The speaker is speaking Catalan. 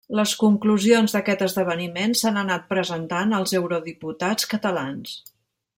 Les conclusions d'aquest esdeveniment s'han anat presentant als eurodiputats catalans.